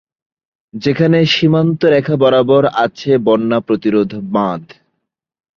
সেখানে সীমান্ত রেখা বরাবর আছে বন্যা প্রতিরোধ বাঁধ।